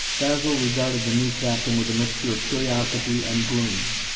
Basil regarded the new captain with a mixture of curiosity and gloom.